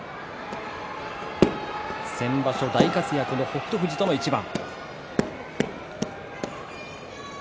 先場所大活躍の北勝富士との一番。